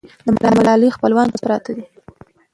د ملالۍ خپلوان چېرته پراته دي؟